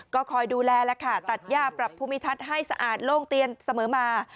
ก็คอยดูแลแล้วค่ะตัดย่าปรับภูมิทัศน์ให้สะอาดโล่งเตียนเสมอมา